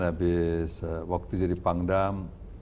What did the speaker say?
habis waktu jadi pangdam